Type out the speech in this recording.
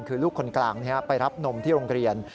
คือลูกคนกลางไปรับนมที่โรงเรียน